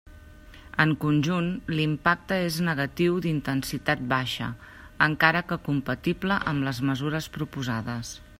En conjunt, l'impacte és negatiu d'intensitat baixa, encara que compatible amb les mesures proposades.